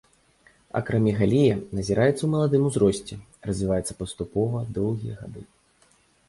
Акрамегалія назіраецца ў маладым узросце, развіваецца паступова, доўгія гады.